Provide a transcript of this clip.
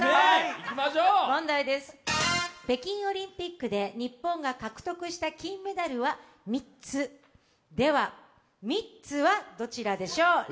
北京オリンピックで日本が獲得した金メダルは３つでは、ミッツはどちらでしょう？